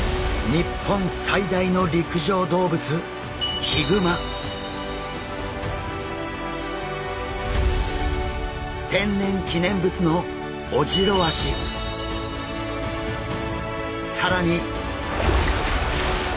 日本最大の陸上動物天然記念物の更に！